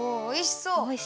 おいしそう。